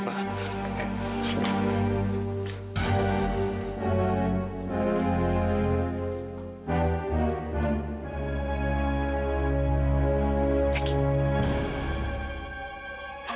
tapi sekarang saya tidak pernah ketahui